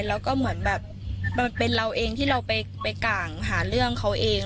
แล้วก็เหมือนแบบมันเป็นเราเองที่เราไปก่างหาเรื่องเขาเอง